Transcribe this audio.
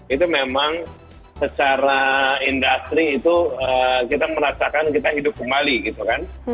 itu memang secara industri itu kita merasakan kita hidup kembali gitu kan